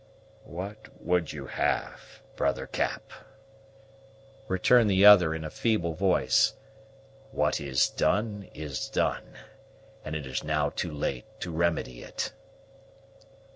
"What would you have, brother Cap?" returned the other in a feeble voice; "what is done is done; and it is now too late to remedy it."